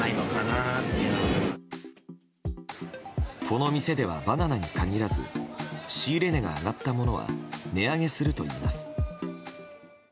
この店ではバナナに限らず仕入れ値が上がったものは値上げするといいます。